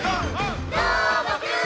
「どーもくん！」